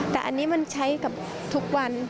แต่อันนี้มันใช้กับทุกวัน